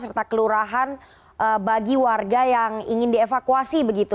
serta kelurahan bagi warga yang ingin dievakuasi begitu